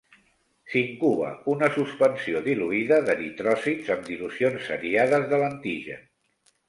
S’incuba una suspensió diluïda d’eritròcits amb dilucions seriades de l’antigen.